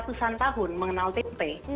ratusan tahun mengenal tempe